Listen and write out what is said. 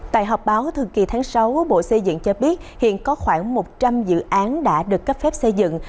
tại họp báo thường kỳ tháng sáu bộ xây dựng cho biết hiện có khoảng một trăm linh dự án đã được cấp phép xây dựng